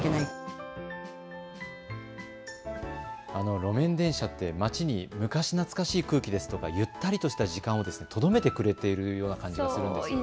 路面電車って街に昔懐かしい空気ですとかゆったりとした時間の流れをとどめてくれているような感じがします。